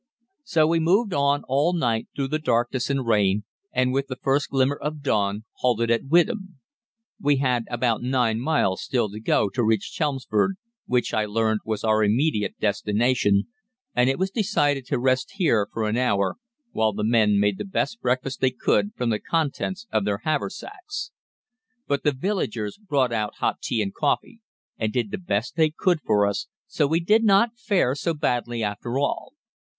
"So we moved on all night through the darkness and rain, and with the first glimmer of dawn halted at Witham. We had about nine miles still to go to reach Chelmsford, which I learned was our immediate destination, and it was decided to rest here for an hour, while the men made the best breakfast they could from the contents of their haversacks. But the villagers brought out hot tea and coffee, and did the best they could for us, so we did not fare so badly after all.